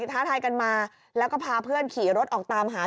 ท้าทายกันมาแล้วก็พาเพื่อนขี่รถออกตามหา